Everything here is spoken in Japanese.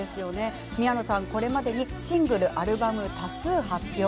宮野さん、これまでにシングルアルバムを多数発表。